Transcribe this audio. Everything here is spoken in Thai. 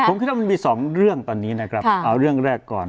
ผมคิดว่ามันมีสองเรื่องตอนนี้นะครับเอาเรื่องแรกก่อน